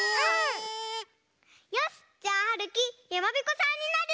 よしじゃあはるきやまびこさんになる！